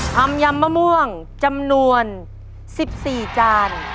ยำมะม่วงจำนวน๑๔จาน